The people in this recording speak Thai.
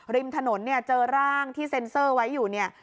ริมถนนเนี่ยเจอร่างที่เซ็นเซอร์ไว้อยู่เนี่ย